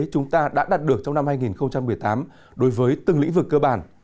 chúng ta đã đạt được trong năm hai nghìn một mươi tám đối với từng lĩnh vực cơ bản